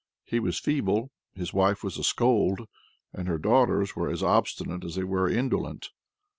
He was feeble, his wife was a scold, and her daughters were as obstinate as they were indolent.